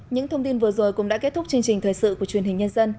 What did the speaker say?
những thông tin vừa rồi cũng đã kết thúc chương trình thời sự của truyền hình nhân dân